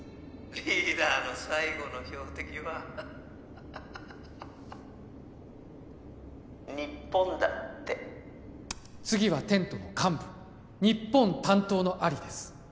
リーダーの最後の標的はハッハハハハハハ日本だって次はテントの幹部日本担当のアリです